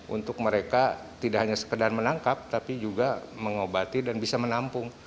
untuk mereka tidak hanya sekedar menangkap tapi juga mengobati dan bisa menampung